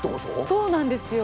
そうなんですよ。